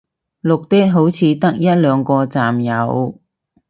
綠的好似得一兩個站有